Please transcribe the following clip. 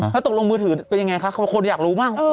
แล้วตกลงมือถือเป็นยังไงคะคนอยากรู้มาก